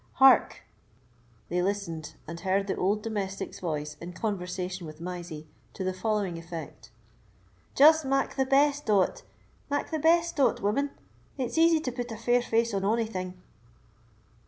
Hark!" They listened, and heard the old domestic's voice in conversation with Mysie to the following effect: "Just mak the best o't—make the besto't, woman; it's easy to put a fair face on ony thing."